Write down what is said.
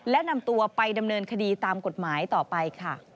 และนำตัวไปดำเนินคดีตามกฎหมายต่อไปค่ะ